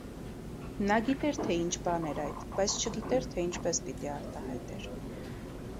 Նա գիտեր, թե ինչ բան էր այդ, բայց չգիտեր, թե ինչպես պիտի արտահայտեր: